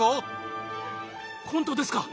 本当ですか！？